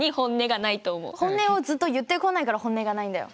本音をずっと言ってこないから本音がないんだよ。